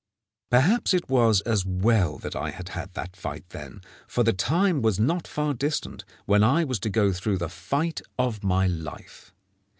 Perhaps it was as well that I had that fight then, for the time was not far distant when I was to go through the fight of my life.